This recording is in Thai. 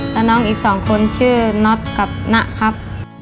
แล้วน้องอีก๒คนชื่อน็อตกับนะครับ